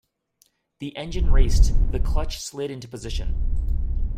The engine raced; the clutch slid into position.